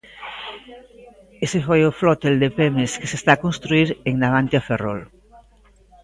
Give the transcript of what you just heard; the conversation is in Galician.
Ese foi o flotel de Pemex que se está a construír en Navantia-Ferrol.